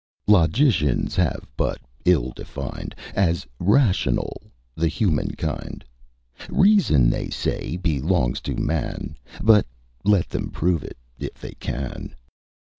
Logicians have but ill defined As rational, the human kind; Reason, they say, belongs to man, But let them prove it, if they can.